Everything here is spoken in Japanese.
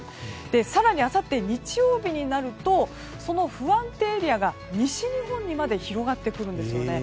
更にあさって日曜日になるとその不安定エリアが西日本にまで広がってくるんですよね。